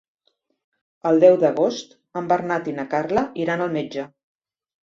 El deu d'agost en Bernat i na Carla iran al metge.